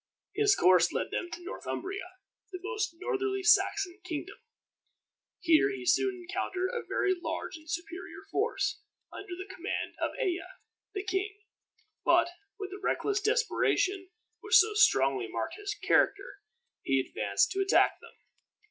His course led him to Northumbria, the most northerly Saxon kingdom. Here he soon encountered a very large and superior force, under the command of Ella, the king; but, with the reckless desperation which so strongly marked his character, he advanced to attack them.